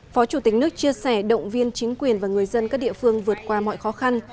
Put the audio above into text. phó chủ tịch nước chia sẻ động viên chính quyền và người dân các địa phương vượt qua mọi khó khăn